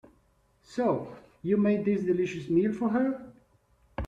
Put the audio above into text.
So, you made this delicious meal for her?